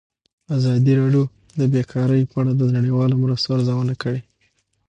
ازادي راډیو د بیکاري په اړه د نړیوالو مرستو ارزونه کړې.